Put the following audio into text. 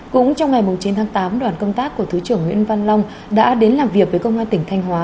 cũng trong ngày chín tháng tám đoàn công tác của thứ trưởng nguyễn văn long đã đến làm việc với công an tỉnh thanh hóa